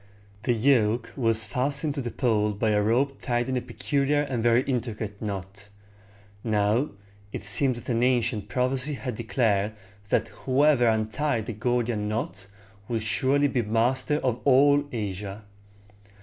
The yoke was fastened to the pole by a rope tied in a peculiar and very intricate knot. Now, it seems that an ancient prophecy had declared that whoever untied the Gordian knot would surely be master of all Asia.